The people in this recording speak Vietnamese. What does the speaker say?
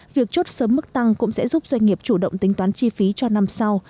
việc chốt sớm mức tăng cũng sẽ giúp doanh nghiệp chủ động tính toán chi phí cho năm sau